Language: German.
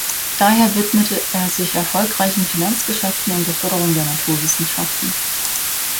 Daher widmete er sich erfolgreichen Finanzgeschäften und der Förderung der Naturwissenschaften.